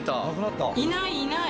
いないいない。